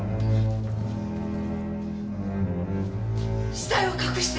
死体を隠して！